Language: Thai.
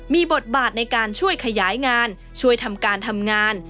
มีบทบาทในการช่วยขยายงานช่วยทำการทำงาน